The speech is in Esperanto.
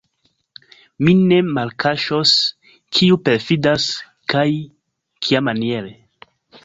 Mi ne malkaŝos, kiu perfidas, kaj kiamaniere.